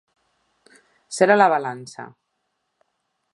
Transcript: Ser a la balança.